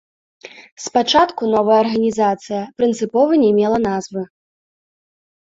Спачатку новая арганізацыя прынцыпова не мела назвы.